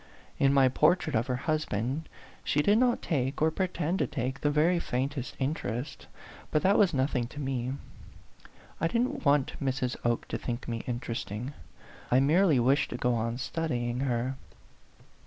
In my portrait of her husband she did not take, 36 A THANTOM LOVER or pretend to take, the very faintest interest ; but that was nothing to me. I didn't want Mrs. Oke to think me interesting ; I merely wished to go on studying her.